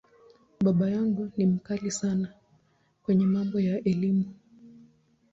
Baba yangu ni ‘mkali’ sana kwenye mambo ya Elimu.